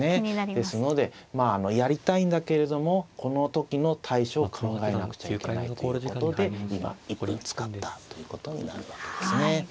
ですのでやりたいんだけれどもこの時の対処を考えなくちゃいけないということで今１分使ったということになるわけですね。